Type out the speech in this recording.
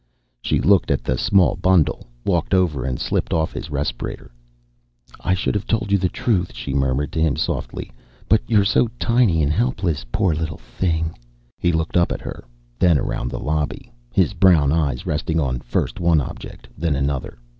She looked at the small bundle, walked over and slipped off his respirator. "I should have told the truth," she murmured to him softly. "But you're so tiny and helpless. Poor little thing!" He looked up at her, then around the lobby, his brown eyes resting on first one object, then another.